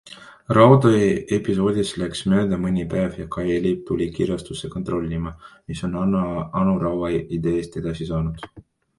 Raudoja episoodist läks mööda mõni päev ja Kai Ellip tuli kirjastusse kontrollima, mis on Anu Raua ideest edasi saanud.